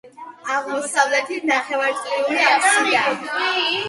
აღმოსავლეთით ნახევარწრიული აფსიდაა.